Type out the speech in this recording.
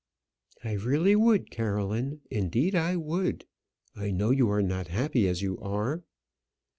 "I really would, Caroline; indeed, I would. I know you are not happy as you are."